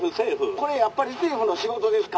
「これやっぱり政府の仕事ですか？」。